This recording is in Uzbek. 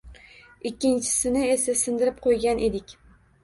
Ikkinchisini esa, sindirib qo‘ygan edik